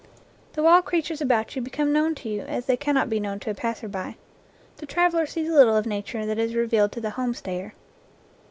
The wild creatures about you become known to you as they cannot be known to a passer by. The traveler sees little of Nature that is revealed to the home stayer.